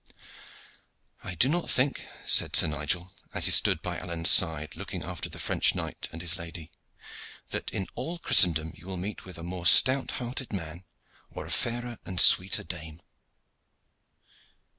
"I do not think," said Sir Nigel, as he stood by Alleyne's side looking after the French knight and his lady, "that in all Christendom you will meet with a more stout hearted man or a fairer and sweeter dame.